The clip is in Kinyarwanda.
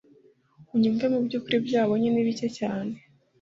unyumve mubyukuri ibyo wabonye ni bike cyane